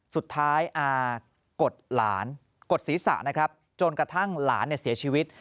สุดท้ายกดหลานกดศีรษะจนกระทั่งหลานเสียชีวิต